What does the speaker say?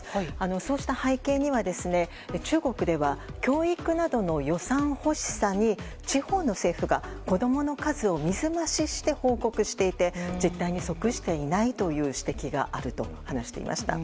そうした背景には中国では教育などの予算欲しさに地方の政府が子供の数を水増しして報告していて実態に即していないと指摘していました。